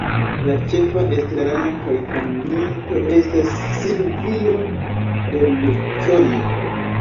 La ĉefa estrarano kaj fondinto estas Silvio Berlusconi.